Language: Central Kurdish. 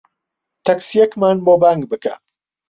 تەکسییەکمان بۆ بانگ بکە.